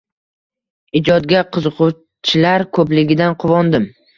Ijodga qiziquvchilar ko‘pligidan quvondim.